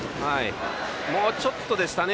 もうちょっとでしたね。